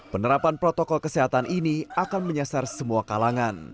penerapan protokol kesehatan ini akan menyasar semua kalangan